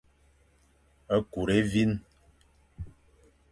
Kur évîn.